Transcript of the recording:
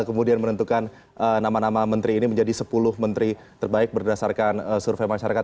kemudian menentukan nama nama menteri ini menjadi sepuluh menteri terbaik berdasarkan survei masyarakat